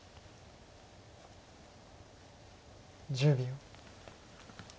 １０秒。